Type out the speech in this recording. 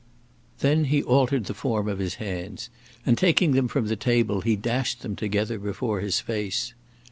Then he altered the form of his hands, and taking them from the table he dashed them together before his face.